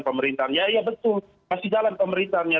pemerintahnya iya betul masih jalan pemerintahnya